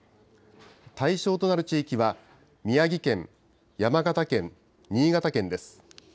対象となる地域は、宮城県、山形県、新潟県です。